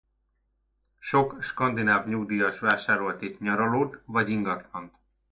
Sok skandináv nyugdíjas vásárolt itt nyaralót vagy ingatlant.